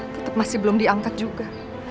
tetap masih belum diangkat juga